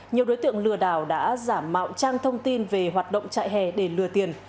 nhiều đối tượng lừa đào đã giảm mạo trang thông tin về hoạt động trại hè để lừa tiền